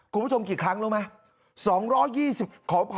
คุณผู้ชมกี่ครั้งรู้ไหม